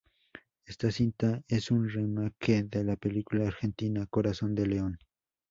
Esta cinta es un remake de la película argentina Corazón de León.